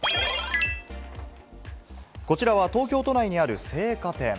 こちらは東京都内にある青果店。